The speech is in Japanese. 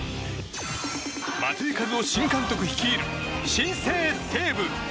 松井稼頭央新監督率いる新生・西武。